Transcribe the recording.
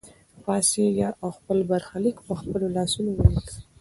پاڅېږه او خپل برخلیک په خپلو لاسونو ولیکه.